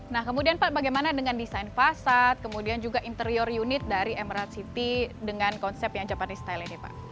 nah kemudian pak bagaimana dengan desain fasad kemudian juga interior unit dari emerald city dengan konsep yang japane style ini pak